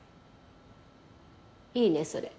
いいねそれ。